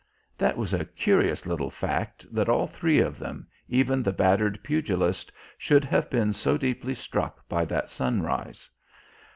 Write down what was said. That was a curious little fact that all three of them, even the battered pugilist, should have been so deeply struck by that sunrise.